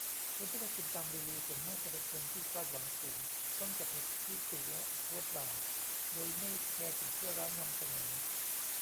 คนที่มากินตามรีวิวส่วนมากจะเป็นคนที่คาดหวังสูง จ้องจับผิด ขี้ติและโพสด่าโดยไม่แคร์สิ่งที่ร้านนำเสนอ